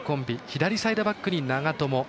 左サイドバックに長友。